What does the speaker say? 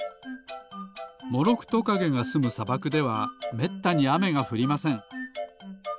モロクトカゲがすむさばくではめったにあめがふりません。